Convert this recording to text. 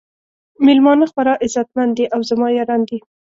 میلمانه خورا عزت مند دي او زما یاران دي.